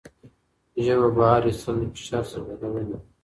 ژبه بهر ایستل د فشار څرګندونه ده.